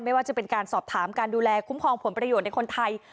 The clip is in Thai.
ไม่ว่าจะเป็นการสอบถามการดูแลคุ้มครองผลประโยชน์ในคนไทย